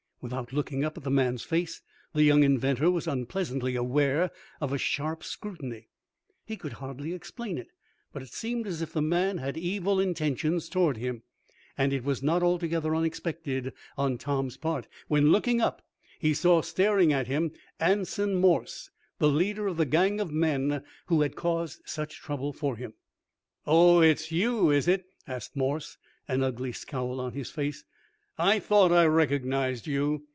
Without looking up at the man's face, the young inventor was unpleasantly aware of a sharp scrutiny. He could hardly explain it, but it seemed as if the man had evil intentions toward him, and it was not altogether unexpected on Tom's part, when, looking up, he saw staring at him, Anson Morse, the leader of the gang of men who had caused such trouble for him. "Oh, it's you; is it?" asked Morse, an ugly scowl on his face. "I thought I recognized you."